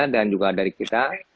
dan juga dari kita